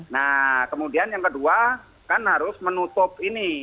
nah kemudian yang kedua kan harus menutup ini